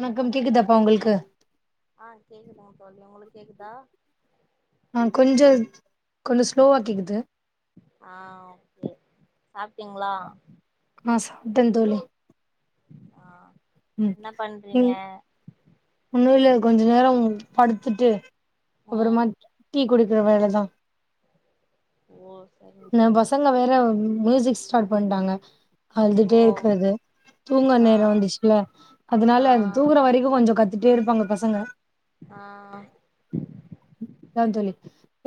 என்ன கேக்குதாப்பா உங்கள்க்கு கேக்குது ஆ தோழி உங்குளுக் கேக்குதா ஆ கொஞ்ச கொஞ்சோ ஸ்லோவா கேக்குது சாப்டிங்ளா ஆ சாப்டந் தோழி ஆ ம் ன்ன பண்றீங்க னு இல்ல கொஞ்ச நேரம் படுத்துட்டு அப்பறமா ம் டீ குடி க்ற வேல தா ஓ சரிங்க ந சரிங்க பசங்க தோழி வேற மியூசிக்ஸ் ஸ்டாட் பண்ட்டாங்க ஓ அழுதுட்டே இருக்கிறது தூங்க ஆ நேரோ வந்துச்சுல அதுனால ஆ அது தூங்குற வரைக்கூ கொஞ்சோ கத் திட்டே இருப்பாங்க பசங்க ஆ தா தோழி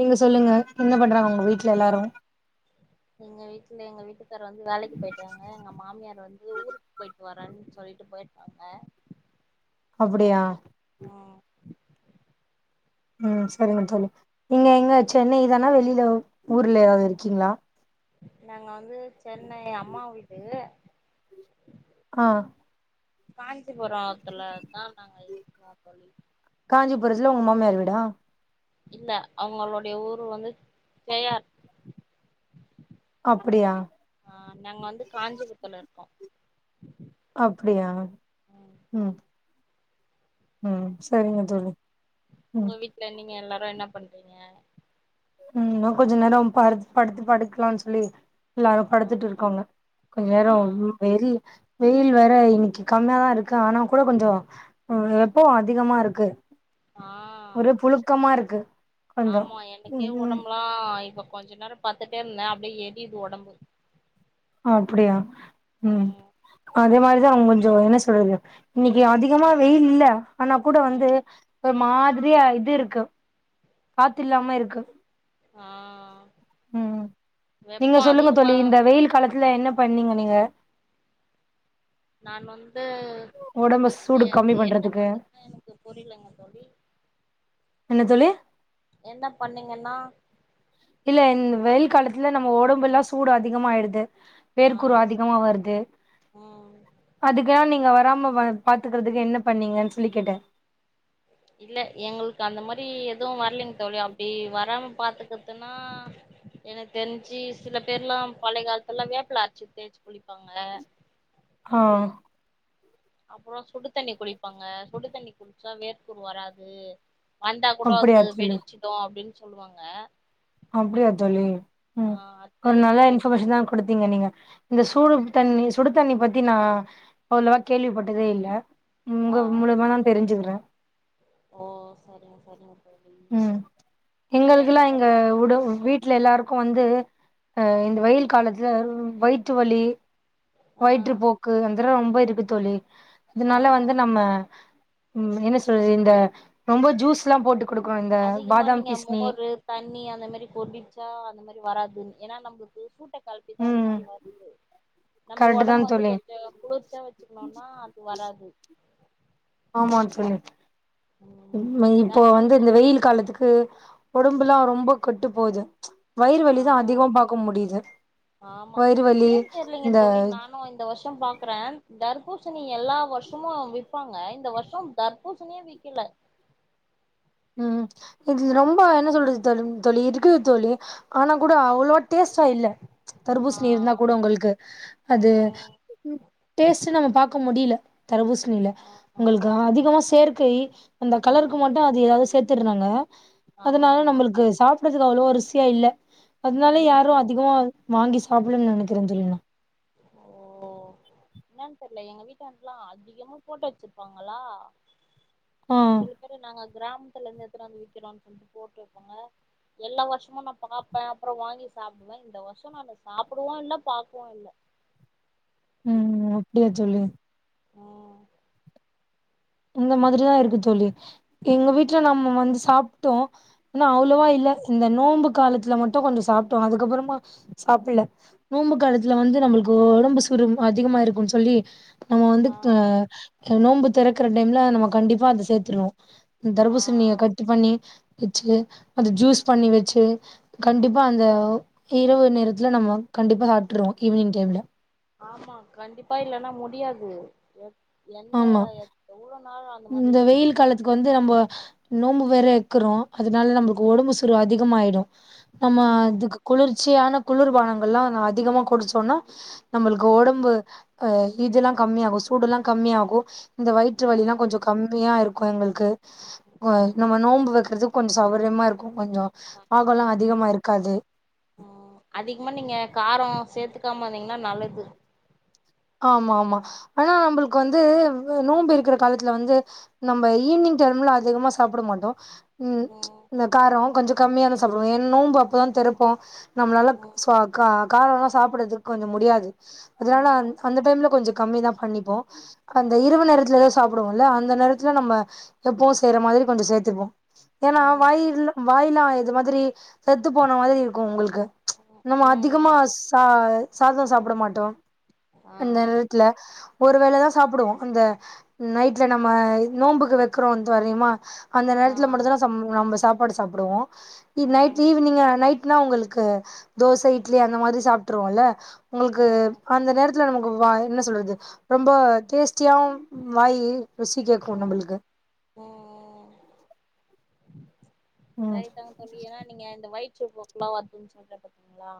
நீங்க சொல்லுங்க என்ன பண்றாங்க உங்க வீட்ல எல்லாரூ எங்க வீட்ல எங்க வீட்டுக்கார் வந்து வேலைக்கு போயிட்டாங்க எங்க மாமியார் வந்து ஊருக்கு போயிட் வரேன்னு சொல்லிட்டு போயிருக்காங்க அப்டியா ம் ம் சரிங்க தோழி நீங்க எங்க சென்னை தானா வெளியில ஊர்ல எதா இருக்கீங்களா நாங்க வந்து சென்னை அம்மா வீடு ஆ காஞ் சிபுரோ இருக்குல அதா நாங்க இருக்கோ தோழி காஞ்சிபுரத்துல மாமியார் வீடா இல்ல அவங்களுடைய ஊர் வந்து பேயார் அப்டியா ஆ நாங்க வந்து காஞ்சிபுரத்துல இருக்கோ அப்டியா ம் ம் சரிங்க தோழி ம் உங்க வீட்ல நீங்க எல்லா ரு என்ன பண்றீங்க இன்னு கொஞ்ச நேரோ படுத் படுத்து படுக்கலான் சொல்லி எல்லாரூ ஆ படுத்துட்டு இருக்காங்க கொஞ்ச ஆ நேரோ வெளி வெயில் வேற இன்னைக்கி கம்யாதாருக்கு ஆனா கூட கொஞ்சொ வெப்பொ அதிகமா இருக்கு ஆ ஒரே புழுக்கமா இருக்கு கொஞ்சொ கே ஒடம்புலா ஆ இப்ப கொஞ்சொ நேரோ பத்துட்டே இருந்தே அப்டியே எரியுது ஒடம்பு அப்டியா உம் ம் அதே மாரி து அவங் கொஞ்சொ என்ன சொல்றது இன்னைக்கி அதிகமா வெயில் இல்ல ஆனா கூட வந்து ம் மாதிரியா இது இருக்கு காத்தில்லாம இருக்கு ஆஹ் உம் நீங்க சொல்லுங்க தோழி இந்த வெயில் காலத் துல என்ன பண்ணிங்க நிக நான் வந் ஒடம்ப சூடு கம்மி என்ன பண்றதுக்கு பண்ணீங்கன்னா எனக்கு புரியலங்க தோழி என்ன தோழி என்ன பண்ணிங்கன்னா இல்ல இந் வெயில் காலத்துல நம்ம ஒடம்புல்லா சூடு அதிகமாயிடுது ஆ வேர்க்குறு அதிகமா வருது ம் அதுக்கெலா நீங்க வருத் வராம வ பாத்துக்றதுக்கு என்ன பண்ணிங்கன் சொல்லி கேட்டே இல்ல எங்களுக்கு அந்த மாரி எதுவு வரலைங் தோழி ஈ வராம பாத்துக்றத்துனா எனக் தெரிஞ்சி சில பேர்லா பழைய காலத்துல்லா வேப்ல அரச்சு தேச்சு குளிப்பாங்க ஹா அப்புறொ சுடு தண்ணி குளிப்பாங்க சுடு தண்ணி குளிச்சா வேர்குரு வராது வந்தா கூட அப்டியா அது தோழி வெடிச்சிடு அப்டின் சொல்லுவாங்க அப்டியா தோழி உம் ஆ அதுதா ஒரு எனக்கு நல்ல தெரியு இன்ஃபர்மேஷன் தா குடுத்திங்க நீங்க இந்தஸ் சூடு தண்ணி சுடு தண்ணி பத்தி நா அவ்ளவா கேள்விப்பட்டதே இல்ல ஆ உங்க மூலமா தா தெரிஞ்சுக்குறே ஓ சரிங்க சரிங்க தோழி உம் நீங்க என்ன எங்களுக்குலா இங்க பண்ணிட்ருக்க உட வீட்ல எல்லாருக்கு வந்து அஹ் இந்த வெயில் காலத்துல வ்வயிற்று வலி ஆ வயிற்று போக்கு அந்ர ரொம்ப இருக் கு தோழி ஆ இதனால வந்து நம்ம உம் என்ன சொல்றது இந்த ரொம்ப ஜூஸ்ஸுலா போட்டு குடுக்கணு இந்த அதிகமா பாதாம் நீங்க கிஸ்னி மோரு தண்ணி அந்த மாரி குடிச்சா அந்த மாரி வராது ஏன்னா நமக்கு [unintelligible] கழட்டிதான் அந்த ம் மாரி வருது நம்ம கரெக்ட் தா உடம்பு வந்து தோழி கொஞ்சம் குளிர்ச்சா வச்சுக்கணும்னா அது வராது ஆமா தோழி ம் இப்போ வந்து இந்த தர்பூசணி வெயில் காலத்துக்கு உடம்புல்லாம் ரொம்ப விட்டு போகுது வயிறு ஆ வலிதா அதிகமா பாக்க முடியுது ஆமா வயிறு வலி என்னன்னு தெரியலங்க இந்த தோழி நானும் இந்த வருஷம் பாக்குறேன் தர் தர்பூசணி எல்லா வருஷமும் விப்பாங்க இந்த வருஷம் தர்பூசணியே விக்கில ம் இது ரொம்ப என்ன சொல்றது தோழி இருக்குது தோழி ஆனா கூட அவ்வளவா டேஸ்டா இல்ல ஆ தர்பூசணி இருந்தா கூட உங்களுக்கு அது ம் டேஸ்ட் நம்ம பாக்க முடியல தர்பூசணியில ஆ ஆ உங்களுக்கு அதிகமா சேர்க் கை அந்த கலருக்கு ம் மட்டும் அது ஏதாவது சேர்த்திருறாங்க ஆமா அதனால ஆமா நம்மளுக்கு சாப்பிட அது அவ்ளோ ருசியா இல்ல அதனால யாரும் ம் அதிகமா வாங்கி சாப்பிடும்னு நினைக்கிறேன் தோழி நான் ஓ என்னன்னு தெர்ல எங்க வீடான்லா அதிகம போட்டோ வச்சிருப்பாங்களா ஆ சில பேரு நாங்க அக் கிராமத்துலந்து எத்துணு வந்து விக்கிறோ சொல்ட்டு போட்டு வைப்பாங்க எல்லா வருஷமோ நா பாப்ப அப்றோ வாங்கி சாப்டுவே இந்த வருஷ நானு சாப்டடுவு இல்ல பாக்கவு இல்ல ம் அப்டியா சொல்லு ம் இந்த இப் மாதிரியா இருக்கு சொல்லு எங்க வீட்டுல ம் நம்ம வந்து சாப்ட் டோ ன்னா அவ்ளோவா ம் இல்ல இந்த நோம்புக் காலத்துல மட்டோ கொஞ்சோ சாப்பிட்டோ அதுக்கப்புறமா சாப்புல்ல நோம்பு காலத்துல வந்து நம்மளுக்கு உடம்பு சுரு அதிகமா இருக்கோன்னு சொல்லி நம்ம வந்து ஆ ஆ நோம்பு தூறக் இருக்குற டைம்ல நம கண்டிப்பா அத சேத்துருவோ ஆ தர்பூசணிய கட்டு பண்ணி வச்சு அது ஜூஸ் பண்ணி வச்சு கண்டிப்பா அந்த ம் இரவு நேரத்துல நம்ம கண்டிபா சாப்ட்டுருவோ ஈவினிங் டைம்ல ஆமா கண்டிப்பா இல்லைன்னா முடியாது எந்தா ஆமா எத் எவ்ளோன் இந்த வெயில் காலத்துக்கு வந்து நம்போ நோம்பு வேற இக்கிறோ அதனால நம்ளுக்கு ஒடம்பு சூறு அதிகமாயிடு நம்ம ம் அதுக்கு குளிர்ச்சியானப் குளிர்பானங்கள் லா அதிகமா குடிச்சோனா நம்பளுக்கு ம் ஒடம்பு அஹ் இதெல்லா கம்மியாகோ சூடுடேல்லா கம்மியாகு இந்த வயிற்று வலிலா ம் கொஞ்சோ யா இருக்கோ எங்களுக்கு நம்ம நோம்பு வெக்கறது கொஞ்சம் சௌரியமா இருக்கோ கொஞ்சோ பாகொலா ஆ அதிகமா இருக்காது ம் இருக்காமந்தீங்கன்னா நல்லது ஆமா ஆமா ஆனா நம்மளுக்கு வந்து நோம்பு இருக்குற காலத்துல வந்து நம்ம ஈவினிங் டைம்ல அதிகமா சாப்ட மாட்டோ உம் ம் இந்த காரோ கொஞ்சோ கம்மிய தா சப்டுவோ ஏன் நொம்பு அப் அப்பதா ம் தெரப்போ நம்மளால ம் சுவ க காரோ ல சாப்டுறதுக்கு கொஞ்சோ முடியாது அதனால ம் வந் இல்ல கொஞ்சோ கம்மி தா பண்ணிப்போ அந்த ம் இரவு நேரத்துல சாப்பிடுவோம் இல்ல அந்த நேரத்துல நம்ம எப்போவும் செய்யற மாதிரி கொஞ்சம் சேத்திப்போம் ஏன்னா ம் வாயில் வாயலாம் ஆய் இந்த மாதிரி செத்து போன மாதிரி இருக்கும் உங்களுக்கு ம் நம்ம அதிகமா ம் ச சாதம் சாப்பிட மாட்டோம் ஆ அந்த நேரத்துல ஒருவேளதான் சாப்பிடுவோம் அந்த நைட்ல நம்ம நோன்ம்புக்கு வெக்கிறோம் தொரயிமா அந்த ஆ நேரத்துல மட்டும் தான் நம்ப சாப் போட்டு சாப்பிடுவோம் நைட் ம் ஈவினிங் அ நைட் னா உங்களுக்கு தோச இட்லி அந்த மாதிரி சாப்பிட்டுருவோம்ல்ல உங்களுக்கு ம் அந்த நேரத் இல்ல நமக்கு என்ன சொல்றது ரொம்ப டேஸ்டியாவும் வாயி ருசி கேட்கும் நம்பளுக்கு ஓ ம் சரிதாங்க சொல்லி ஏன்னா [unintelligible] நீங்க இந்த வயிற் போக்குலாம் வத்துச்ச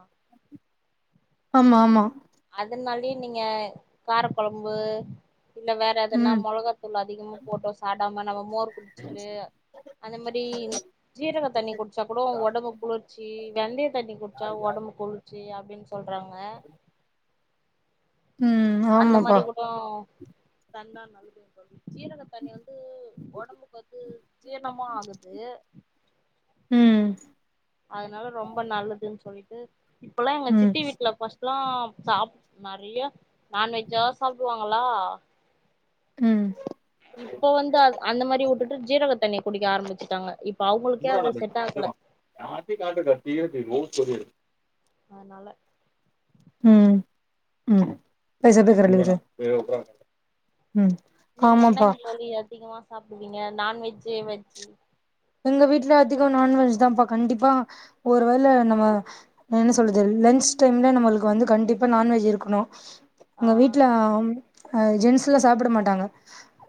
[unintelligible] ஆமா ஆமா அதனாலயே நீங்க கார கொழம்பு இல்லே வேற எதன்னா ம் மொளகாத்தூள் அதிகமா போட்டோ சாப் த [unintelligible] மோர் குடிச்சிட்டு அந்த மாரி ஜீரக தண்ணி குடிச்சா கூட உடம்பு குளிர்ச்சி வெந்தய தண்ணி குடிச்சா உடம்பு குளிர்ச்சி அப்டியா அப்படின்னு சொல்றாங்க உம் ஆமாப்பா தண்ணான் நல்லது சொல்லுது சீரக தண்ணி வந்து உடம்புக்கு வந்து ஜீரணமும் ஆகுது ம் அதனால ரொம்ப நல்லதுன்னு சொல்லி [unintelligible] இப்பெல்லா எங்க ம் சித்தி வீட்டுல ஃபர்ஸ்ட் எல்லா சாப்ப நெறைய நான்வெஜ்ஜா சாப்பிடுவாங்களா ம் இப்ப வந்து அ அந்த மாரி விட்டுட்டு ஜீரக தண்ணி குடிக்க ஆரம்பிச்சுட்டாங்க இப் [unintelligible] செரி அனால உம் உம் பேசர பேசர பேச நீங்க என்னங்க தோழி அதிகமா சாப்பிடுவீங்க நான்வெஜ்ஜூ வெஜ்ஜூ எங்க வீட்டுல அதிகம் நான்வெஜ் தான்ப்பா கண்டிப்பா ஒரு வேல நம்ம என்ன சொல்றது லன்ச் டைம்ல நம்மளுக்கு வந்து கண்டிப்பா நான்வெஜ் இருக்கணும் உங்க வீட்டுல ஆ ஆம் அஹ் ஜென்ஸ் எல்லா சாப்பிட மாட்டாங்க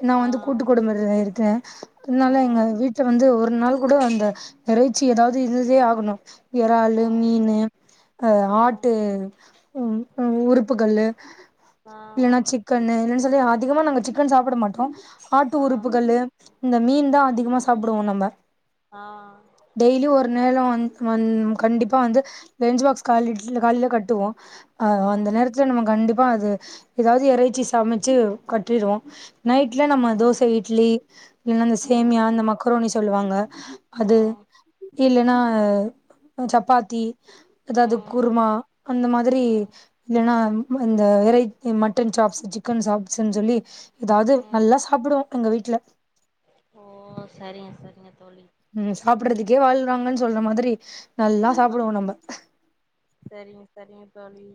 நான் ஆ வந்து கூட்டுக்குடும்ப இருக் க்கே இருந்தாலு எங்க ம் வீட்டுல து ஒரு நாள் கூட அந்த எறைச்சி ஏதாவது இருந்ததே ஆகணும் இறால்லு ம் மீனு ம் ஆட்டு உம் உ உறுப்புக்கள் இல்லைன்னா ஆ சிக்கன்னு இல் ல்ல அதிகமா நாங்க சிக்கன் சாப்பிட மாட்டோம் ஆட்டு உறுப்புகள்ளு இந்த மீன் தான் அதிகமா சாப் சாப்படுவோம் நம்ப ஆ ஆ டெய்லி ஒரு நேரம் வந்து வந் கண்டிப்பா வந்து லஞ்சு பாக்ஸ் கால் இட்ல காலிலே கட்டுவோ அவ் அந்த ம் நேரத்துல நம்ம கண்டிப் பா அது எதாவது எறைச்சி சம ச்சி கட்டிருவோ நைட்ல நம்ம தோச, ம் இட்லி, இல்லந்த ம் சேமியா இந்த மக் ரோனி சொல்லுவாங்க அது ம் இல்லன்னா உ சப்பாத்தி அதாவது ம் குருமா அந்த மாதிரி ம் இல்லன்னா ம் அந்த எறை இ மட்டன் சாப்ஸ் சிக்கன் சாப்ஸ்சுன் சொல்லி எதாவது ம் நல்லா சாப்புடுவோ எங்க வீட்ல ஓ சரிங்க சரிங்க தோழி பட்றதுக்கே வாழ்றாங்கன் சொன்ன மாதிரி நல்லா சாப்புடுவோ நம்ம சரிங்க சரிங்க தோழி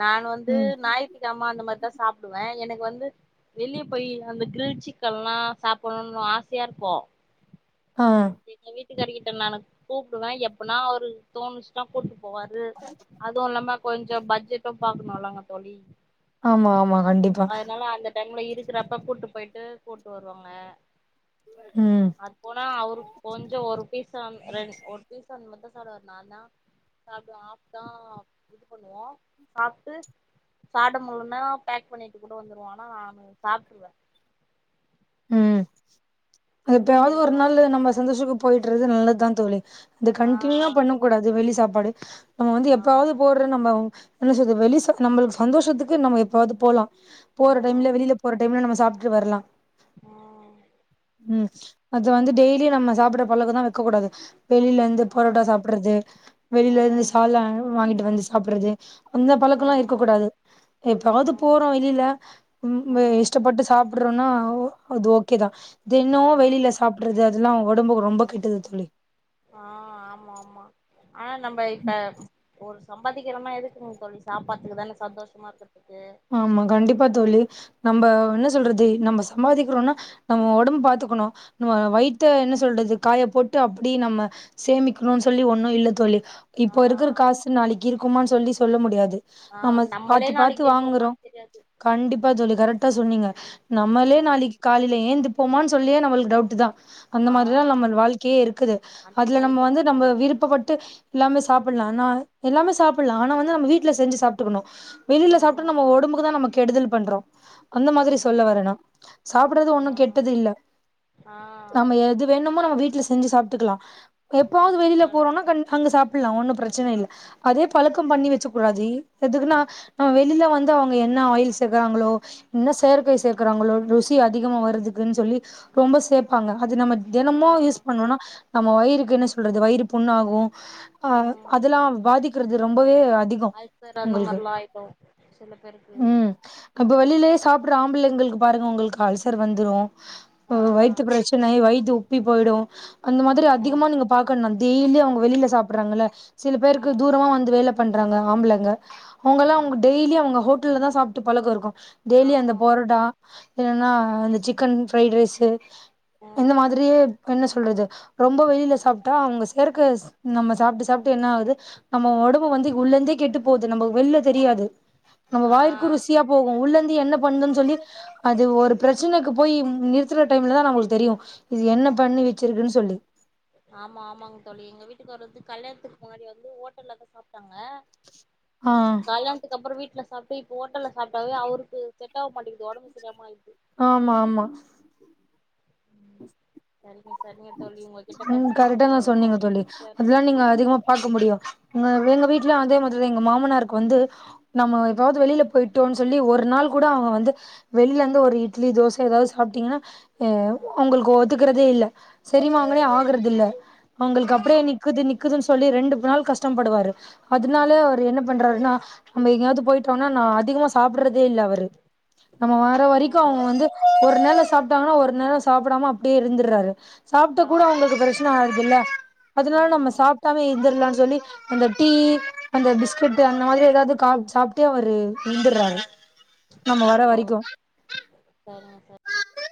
நான் வந்து ம் ஞாய்த்துகெழம அந்த மார் தா சாப்டுவே எனக்கு வந்து வெளிய போய்லா அந்த க்ரில் சிக்கன்ல்லா சாப்பட்ணுன் ஆசையாருக்கு ஆஹ் வீட்டு காருக்கிட்ட நானு கூப்டுவே எப்பன்னா அவருக் தோணுச்ன்னா கூப்ட்டு போவாரு அதுவு இல்லாம கொஞ்சோ பட்ஜெட்டு பாக்கணுல்லங்க தோழி ஆமா ஆமா கண்டிப்பா அதனால அந்த டைம்ல இருக்கறப்ப கூட்டு போய்ட்டு கூட்டு வருவாங்க ம் அது போனா அவரு கொஞ்சோ ஒரு பீசு அந் ரெண் ஒரு பீசு அந் மார் தா சாப்டுவாரு நா தா சாப்டுவே ஹாஃப் தா இது பண்ணுவோ சாப்ட்டு சாப்ட முல்லன்னா பேக் பண்ணிட்டு கூட வந்துருவோ ஆனா நா சாப்ட்டுருவே உம் எதாவ்து எனக்கு ஒரு ரொம்ப நாளு நம்ம சந்தோஷக்கு போய்ட்டு ண்றது நல்லத் தா தோழி அது ஆ கன்ட்னியூவா பண்ண கூடாது வெளி சாப் பாடு நம்ம வந்து ஆ எப்பாவ்து போட்ற நம்ம என்ன சொல்றது வெளி சா நம்மளுக் சந்தோஷத்துக்கு நம்ம எப்பாவ்து போலா போற டைம்ல ம் வெளில போற டைம்ல நம்ம சாப்ட் டு வர்லா ம் உம் அது வந்து டெய்லி நம்ம சாப்பட்ற பழக்க தா வெக்க கூடாது வெளிலருந்து ஆ பொரோட்டா சாப்பிட்றது வெளிலருந்து ம் சால்னா வாங்கிட்டு வந்து சாப்ட்றது அந்த பழக்கலா இருக்க ம் கூடாது எப்பவாது ம் போறோ வெளில உம் வெ ம் இஷ்டப்பட்டு சாப்ட் ட்றோனா அவ் அது ஓகேதா தென்னோ ஆ வெளில சாப்ட்றது அது அதுலா ஒடம்புக்கு ரொம்ப கெட்டது தோழி ஆஹ் ஆமா ஆமா ஆனா நம்ப இப்ப ஒரு சம்பாதிக்கிறனா எதுக்குங்க தோழி சாப்பட்றத்துக்கு தானே சந்தோஷமா இருக்க ஆமா கண்டிப்பா தோழி நம்ப என்ன சொல்றது நம்ம சம்பாதிக்றோனா ஆஹ் ஒடம்ப பாத்துக்கணு நம்ம வயித்த என்ன சொல்றது காய போட்டு அப்டி நம்ம சேமிக்கணுன் சொல்லி ஒன்னு இல்ல தோழி ஆ இப்போ இருக்கிற காசு நாளைக்கு இருக் குமான் சொல்லி சொல்ல முடியாது ஆஹ் நம்மளே நாளைக் து வாங்குறோ கண்டிப்பா தோழி கரெக்டா சொன்னீங்க நம்மளே ம் நாளைக்கு காலைல ஏந்திப்போமான் சொல்லியே நம்மளுக்கு டவுட்டு தா அந்த ஆ மாரிதா நம்மள் வாழ்க்கையே இருக்குது அந்த அதுல நம்ம மாரிதாங்க வந்து நம்ம தோழி விருப்பப்பட்டு எல்லாமே சாப்பிட்லா ஆனா எல்லாமே சாப்புட்லா ஆன வந்து நம்ம வீட்ல செஞ்சு சாப்ட்டுக்கணு வெளில சாப் ம் ஒடம்புக்குதா நம்மக் கெடுதல் பண்றோ அந்த மாதிரி ம் சொல்ல வரே நா சாப்ட்றது ஆ ஒன்னு கெட்டதில்ல ஆ நம்ம எது வேணுமோ நம்ம வீட்ல செஞ் செஞ்சு சாப்ட்டுக்கலா எப்பாவ்து கரெக்ட் வெளில கரெக்ட் போறோனா கண் அங்க சாப்புட்லா ஒன்னு பிரச்சன அதுதா இல்ல அதே பழக்கம் பண்ணி வச்சுக் [unintelligible] எதுக்குன்னா நா வெ இதுல வந்து அவ்ங்க என்ன ஆயில் சேக்குறாங்களோ என்ன செயற்கை சேக்கறாங்களோ ருசி அதிகமா வரதுக்குன்னு சொல்லி ரொம்ப சேப்பாங்க அது நம்ம ஆ தினமு யூஸ் பண்ணோனா நம்ம வயிறுக்கு என்ன சொல்றது வயிறு புண்ணாகு அஹ் ம் அதெல்லா பாதிக்றது ரொம்பவே அதி அல்சர் அந்த மார்லா ஆய்க்கு சில பேருக்கு வெளிலே சாப்ட்ற ஆம்பளைங்களுக்கு பாருங்க அவ்ங்களுக்கு அல்சர் வந்துரு இப்ப ஆ வய்த்து பிரச்சன வய்த்து உப் ப்பி போய்டு அந்த மாதிரி அதிகமா ம் நீங்க பாக்கன் நந் டெய்லி அவங்க வெளில சாப்டறாங்கல்ல சில பேருக்கு ம் தூரமா வந்து வேலப் பண்றாங்க ஆம்பளங்க அவ்ங்கல்லா அவ்ங் ம் டெய்லி அவங்க ஹோட்டல்தா சாப்ட்டு பழக்க இருக்கு டெய்லி அந்த ஆமா போருடா ஏன்னா இந்த சிக்கன் ஃபிரைடு ரைஸு இந்த ம் மாதிரியே என்ன சொல்றது ரொம்ப வெயில சாப்ட்டா அவ்ங்க சேர்க்க நம்ம சாப்ட்டு சாப்ட்டு என்ன ஆகுது நம்ம ஒடம்பு வந்து உள்ளந்தே கெட்டு போது நம்ம வெள்ல தெர்யாது நம்ம ஆ வாய்க்கு ருசியா போகு உள்ளந் என்ன பண்ணுன்னு சொல்லி அது ஒரு பிரச்சனைக்கு போய் நிறுத்துற டைம்லதா நம்ளுக்கு தெரியு இது என்ன பண்ணி வச்சிருக்குன்னு சொல்லி ஆமா ஆமாங்க தோழி எங்க வீட்டுகாரர்த்க் கல்யாணத்துக்கு முன்னாடி வந்து ஓட்டல்லதா சாப் ட்டாங்க ஆ கல்யாணத்துக்கு அப்றோ வீட்ல சாப்ட்டு இப்ப ஹோட்டல்ல சாப்ட்டாவே அவருக்கு செட் ஆவ் மாட்டிங்து ஒடம்பு சரியாம ஆயிடுது ஆமா ஆமா [inaudible] சரிங்க தோழி உங்ககிட்ட ம் பேசுனது கரெக்டா எனக்கு தான் ரொம்ப சொன்னீங்க சொல்லி மகிழ்ச்சியா அதெல்லாம் இருந்தது நீங்க அதிகமா பார்க்க முடியும் எங்க வீட்டுலாம் அதே மாதிரி எங்க மாமனார் வந்து நம்ம எதாவது வெளியில போயிட்டோம் சொல்லி ஒரு நாள் கூட அவங்க வந்து வெளியில இருந்து ஒரு இட்லி தோசை ஏதாவது சாப்பிட்டீங்கன்னா ஏ ம் உங்களுக்கு ஒத்துக்கறதே இல்லை சரிமாங்களே ம் ஆகுறது இல்ல அவங்களுக்கு அப்படியே ம் நக்குது நிக்குதுன்னு சொல்லி ரெண்டு நாள் கஷ்டப்படுவாரு ஆ அதனாலே அவரு என்ன பண்றாருன்னா நம்ம எங்கயாவது போயிட்டோம்னா நான் அதிகமா சாப்பிடுறது இல்லை அவரு நம்ம வாற வரைக்கும் ஓ அவங்க வந்து ஒரு நாள் சாப்பிட்டாங்கன்னா ஒரு நேரம் சாப்பிடாம அப்படியே இருந்துடுறாரு சாப்பிட்ட ஆ கூட உங்களுக்கு பிரச்சனை ஆ ல்ல அதனால நம்ம ம் சாப்பிட்டாமே இருந்திரலாம்னு சொல்லி அந்த டீ அந்த பிஸ்கெட் ம் அந்த மாதிரி ஏதாவது சாப்பிட்டே அவரு இருந்துடுறாரு நம ஓ வர வரைக்கும் சரிங்க சார்